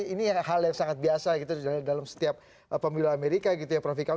ini hal yang sangat biasa dalam setiap pemilu amerika